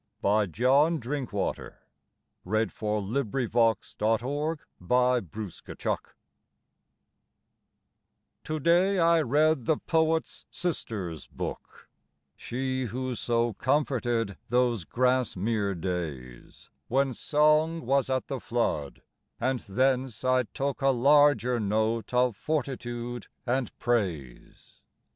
ON READING THE MS. OF DOROTHY WORDSWORTH'S JOURNALS To day I read the poet's sister's book, She who so comforted those Grasmere days When song was at the flood, and thence I took A larger note of fortitude and praise.